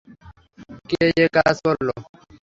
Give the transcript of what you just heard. কে এ কাজ করল?